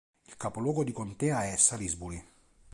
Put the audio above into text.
Il capoluogo di contea è Salisbury.